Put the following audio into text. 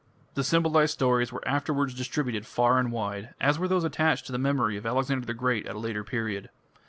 The symbolized stories were afterwards distributed far and wide, as were those attached to the memory of Alexander the Great at a later period.